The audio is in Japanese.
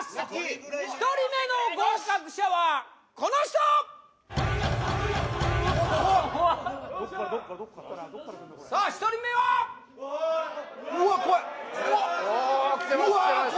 １人目の合格者はこの人さあ１人目はおおきてます